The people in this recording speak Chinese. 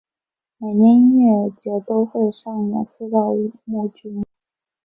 每年音乐节都会上演四到五幕剧目。